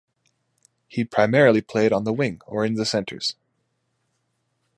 He primarily played on the wing or in the centres.